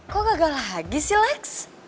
kok gagal lagi si lex